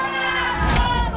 jangan lupa pak